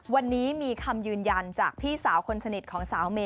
วันนี้มีคำยืนยันจากพี่สาวคนสนิทของสาวเมย